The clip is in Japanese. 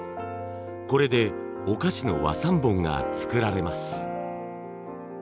これでお菓子の和三盆が作られます。